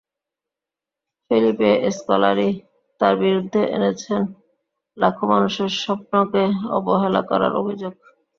Felipe Scolari তাঁর বিরুদ্ধে এনেছেন লাখো মানুষের স্বপ্নকে অবহেলা করার অভিযোগ।